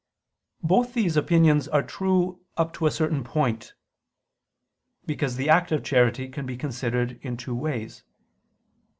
Both these opinions are true up to a certain point. Because the act of charity can be considered in two ways.